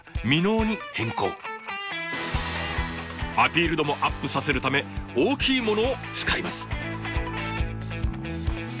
アピール度もアップさせるため大きいものを使います。